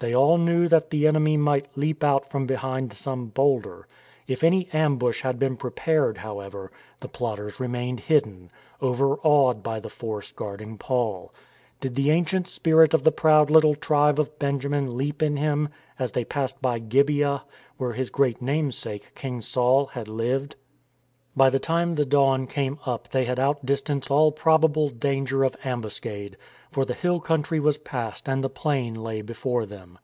They all knew that the enemy might leap out from behind some boulder. If any ambush had been prepared, however, the plotters remained hidden, overawed by the force guarding Paul. Did the ancient spirit of the proud little tribe of Benjamin leap in him as they passed by Gibeah, where his great namesake. King Saul, had lived ? By the time the dawn came up they had out distanced all probable danger of ambuscade, for the hill country was past and the plain lay before them.